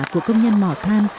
của công nhân mỏ than